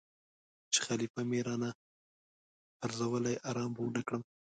چې خلیفه مې را نه پرزولی آرام به ونه کړم.